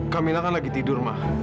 kamilah kan lagi tidur ma